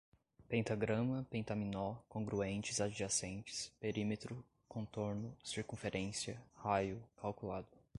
pentagrama, pentaminó, congruentes adjacentes, perímetro, contorno, circunferência, raio, calculado